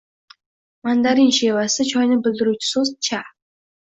Mandarin shevasida, choyni bildiruvchi so’z – Cha.